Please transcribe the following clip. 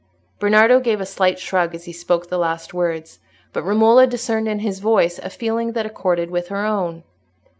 Bernardo gave a slight shrug as he spoke the last words, but Romola discerned in his voice a feeling that accorded with her own.